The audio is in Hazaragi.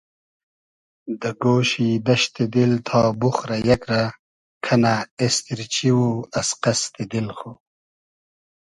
دۂ گۉشی دئشتی دیل تا بوخرۂ یئگ رۂ کئنۂ اېستیرچی او از قئستی دیل خو